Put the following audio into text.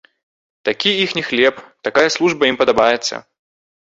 Такі іхні хлеб, такая служба ім падабаецца.